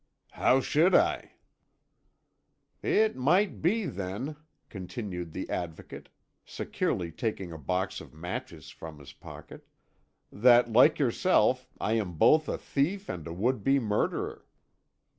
"How should I?" "It might be, then," continued the Advocate, secretly taking a box of matches from his pocket, "that, like yourself, I am both a thief and a would be murderer."